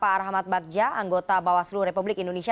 pak rahmat bagja anggota bawaslu republik indonesia